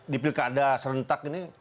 di pilkada serentak ini